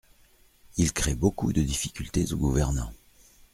Il crée beaucoup de difficultés aux gouvernants.